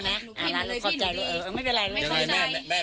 อ่าร้านรูปขอบใจเลยไม่เป็นไร